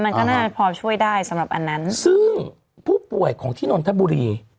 มันก็น่าจะพอช่วยได้สำหรับอันนั้นซึ่งผู้ป่วยของที่นนทบุรี